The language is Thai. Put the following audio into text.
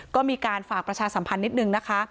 ก็มีการฝากประชาสัมพันธ์นิดนึงนะคะ